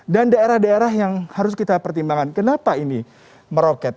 dan daerah daerah yang harus kita pertimbangkan kenapa ini meroket